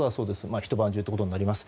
ひと晩中ということになります。